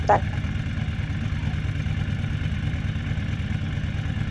দিব্যা, আমার দিকে তাকা।